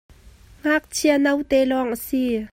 Ngakchia no te lawng a si.